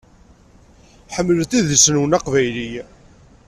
Ḥemmlet idles-nwen aqbayli.